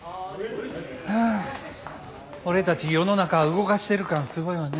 はぁ俺たち世の中動かしてる感すごいわね。